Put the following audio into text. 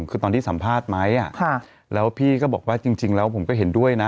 คือตอนที่สัมภาษณ์ไหมแล้วพี่ก็บอกว่าจริงแล้วผมก็เห็นด้วยนะ